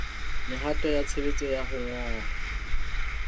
Mehato ya tshebetso ya ho ngola.